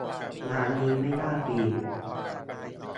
ร้านนี้ไม่น่าฟรี